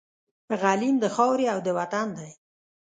غلیم د خاوري او د وطن دی